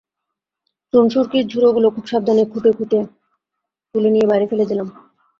চুন-সুরকির ঝুরোগুলো খুব সাবধানে খুঁটি খুঁটে তুলে নিয়ে বাইরে ফেলে দিলাম।